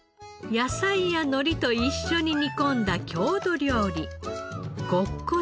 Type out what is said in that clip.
野菜やのりと一緒に煮込んだ郷土料理ゴッコ汁。